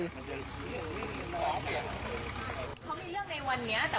เขามีเรื่องในวันเนี้ยแต่ว่าก่อนเหตุผ่านที่เขาจะมายิงอ่ะ